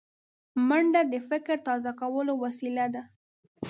منډه د فکر تازه کولو وسیله ده